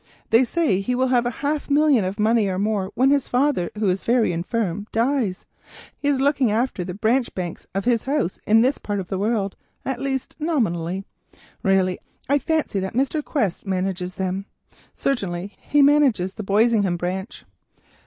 They say he will have half a million of money or more when his father, who is very infirm, dies. He is looking after the branch banks of his house in this part of the world, at least nominally. I fancy that Mr. Quest really manages them; certainly he manages the Boisingham branch."